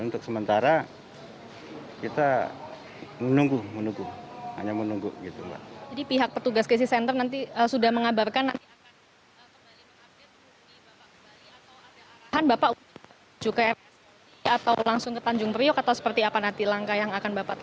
terima kasih pak